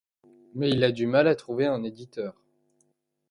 Mais il a du mal à trouver un éditeur.